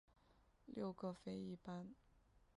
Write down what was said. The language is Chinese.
六各飞一班。